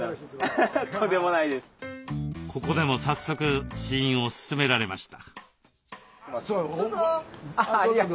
ここでも早速試飲を勧められました。